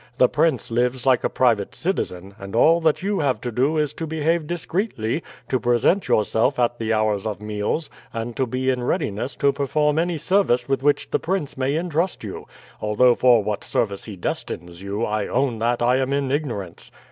The prince lives like a private citizen, and all that you have to do is to behave discreetly, to present yourself at the hours of meals, and to be in readiness to perform any service with which the prince may intrust you; although for what service he destines you, I own that I am in ignorance.